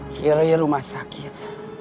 kiri rumah sakit